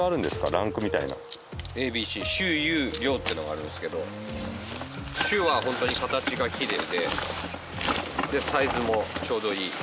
ランクみたいな。ってのがあるんですけど「秀」はホントに形がきれいででサイズもちょうどいい。